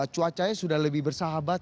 cuacanya sudah lebih bersahabat